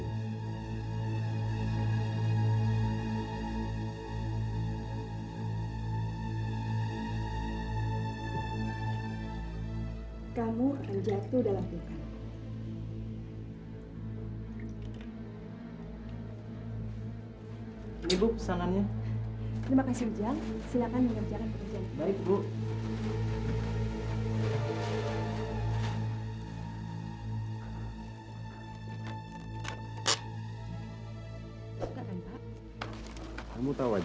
kamu akan jatuh dalam tumpang